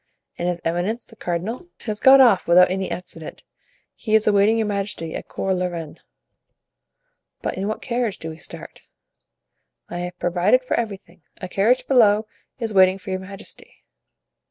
"And his eminence, the cardinal?" "Has got off without any accident. He is awaiting your majesty at Cours la Reine." "But in what carriage do we start?" "I have provided for everything; a carriage below is waiting for your majesty."